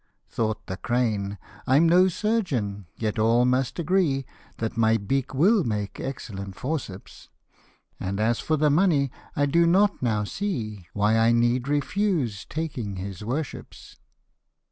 Thought the crane, " I'm no surgeon ; yet all must agree, That my beak will make excellent forceps ; And as for the money, I do not now see Why I need refuse taking his worship's."